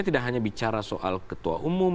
tidak hanya bicara soal ketua umum